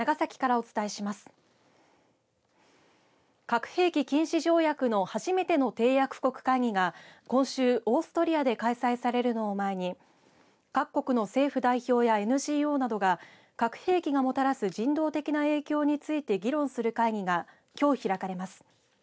核兵器禁止条約の初めての締約国会議が今週、オーストリアで開催されるのを前に各国の政府代表やＮＧＯなどが核兵器がもたらす人道的な影響について議論する会議がきょう開かれます。